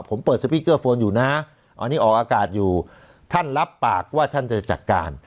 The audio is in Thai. ผมเปิดสปีกเกอร์โฟนอยู่นะอันนี้ออกอากาศอยู่ท่านรับปากว่าท่านจะจัดการ